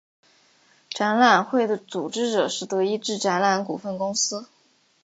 展览会的组织者是德意志展览股份公司。